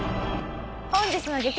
本日の激